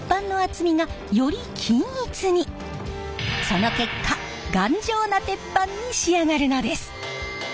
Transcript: その結果頑丈な鉄板に仕上がるのです！